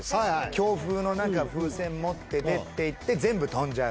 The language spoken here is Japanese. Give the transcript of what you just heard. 強風の中風船持って出ていって全部飛んじゃう